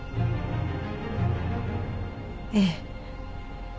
ええ。